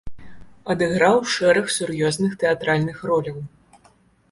Адыграў шэраг сур'ёзных тэатральных роляў.